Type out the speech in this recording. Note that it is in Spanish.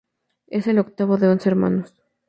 Es el octavo de once hermanos.